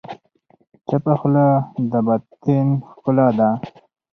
چپه خوله، د باطن ښکلا ده.